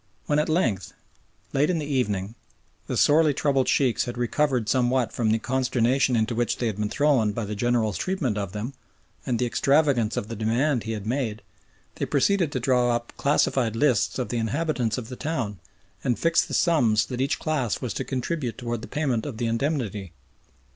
When at length, late in the evening, the sorely troubled Sheikhs had recovered somewhat from the consternation into which they had been thrown by the General's treatment of them, and the extravagance of the demand he had made, they proceeded to draw up classified lists of the inhabitants of the town and fix the sums that each class was to contribute towards the payment of the indemnity.